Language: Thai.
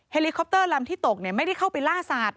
ลิคอปเตอร์ลำที่ตกไม่ได้เข้าไปล่าสัตว